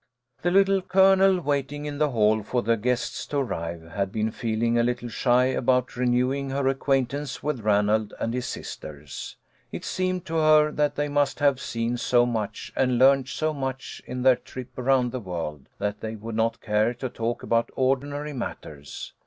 The Little Colonel, waiting in the hall for the guests to arrive, had been feeling a little shy about renewing her acquaintance with Ranald and his sisters. It seemed to her that they must have seen so much and learned so much in their trip A HALLO WE 'EN PARTY. 151 around the world, that they would not care to talk about ordinary matters.